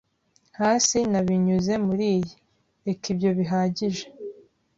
Hasi na Binyuze muri iyi. Reka ibyo bihagije. ”